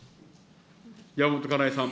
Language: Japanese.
山本香苗さん。